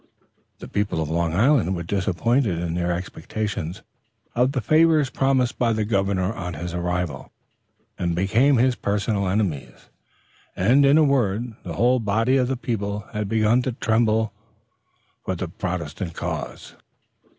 The people of Long Island were disappointed in their expectations of the favors promised by the governor on his arrival, and became his personal enemies, and in a word the whole body of the people had begun to tremble for the Protestant cause.